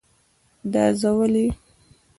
دا زه ولی؟